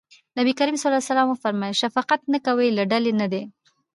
نبي کريم ص وفرمایل شفقت نه کوي له ډلې نه دی.